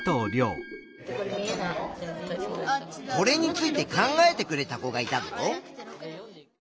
これについて考えてくれた子がいたぞ。